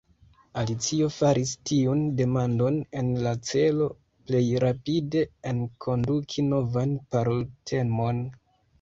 Alicio faris tiun demandon en la celo plej rapide enkonduki novan paroltemon.